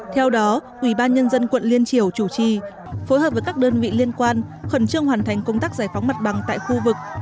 theo đó ủy ban nhân dân quận liên triểu chủ trì phối hợp với các đơn vị liên quan khẩn trương hoàn thành công tác giải phóng mặt bằng tại khu vực